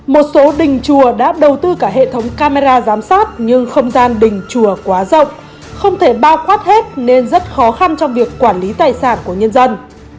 một số đình chùa đã đầu tư cả hệ thống camera giám sát nhưng không gian đình chùa quá rộng không thể bao quát hết nên rất khó khăn trong việc quản lý tài sản của nhân dân